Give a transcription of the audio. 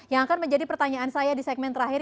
yang akan menjadi pertanyaan saya di segmen terakhir